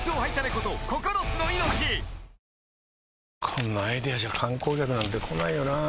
こんなアイデアじゃ観光客なんて来ないよなあ